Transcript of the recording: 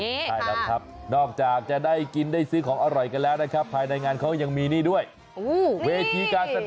ใช่แล้วครับนอกจากจะได้กินได้ซื้อของอร่อยกันแล้วนะครับภายในงานเขายังมีนี่ด้วยเวทีการแสดง